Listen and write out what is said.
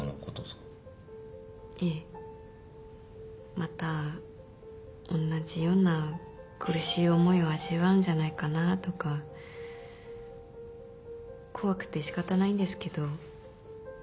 また同じような苦しい思いを味わうんじゃないかなとか怖くて仕方ないんですけど。